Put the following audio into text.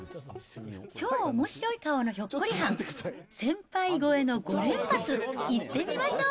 超おもしろい顔のひょっこりはん、先輩超えの５連発、いってみましょう。